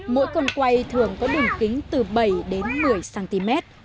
mỗi cân quay thường có đường kính từ bảy đến một mươi cm